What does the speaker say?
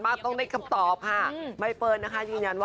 ถ้าขอทักก่อนนี้แบบได้ไหมคะ๑๒๓